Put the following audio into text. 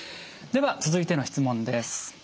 では続いての質問です。